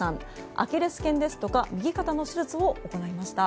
アキレス腱や右肩の手術を行いました。